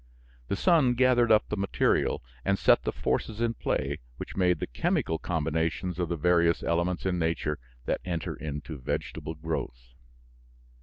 The sun gathered up the material and set the forces in play which made the chemical combinations of the various elements in nature that enter into vegetable growth.